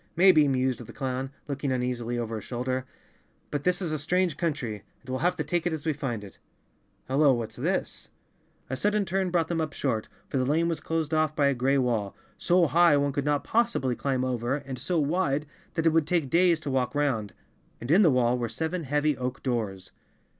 "Maybe," mused the clown, looking uneasily over his shoulder, "but this is a strange country, and we'll have to take it as we find it. Hello, what's this?" The Cowardly Lion of Oz _ A sudden turn brought them up short, for the lane was closed oft by a gray wall, so high one could not pos¬ sibly climb over and so wide that it would take days to walk 'round. And in the wall were seven heavy oak doors.